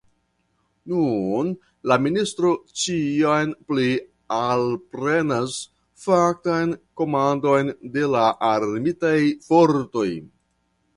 Nun la ministro ĉiam pli alprenas faktan komandon de la armitaj fortoj.